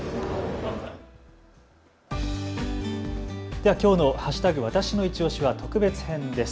ではきょうの＃わたしのいちオシは特別編です。